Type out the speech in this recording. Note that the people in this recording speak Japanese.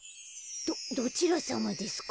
どちらさまですか？